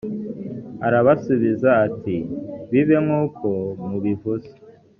arabasubiza ati «bibe nk’uko mubivuze!»